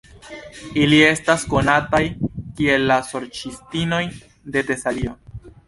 Ili estas konataj kiel la Sorĉistinoj de Tesalio.